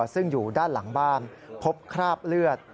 ซึ่งอยู่ด้านหลังบ้านพบคราบเลือด